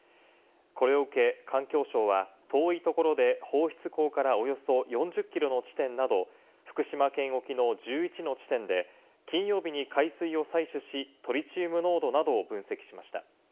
これを受け、環境省は遠いところで放出口からおよそ４０ｋｍの地点など、福島県沖の１１の地点で、金曜日に海水を採取し、トリチウム濃度などを分析しました。